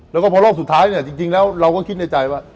แล้วก็พอรอบสุดท้ายเนี่ยจริงแล้วเราก็คิดในใจว่า